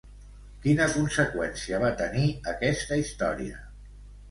Quina conseqüència va tenir aquesta història?